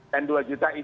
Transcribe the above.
dan dua juta